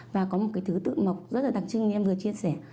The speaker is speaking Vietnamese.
và có một cái thứ tự mộc rất là đặc trưng như em vừa chia sẻ